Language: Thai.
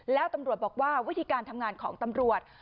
แล้วตำรวจบอกว่าวิธีการทำงานของตำรวจ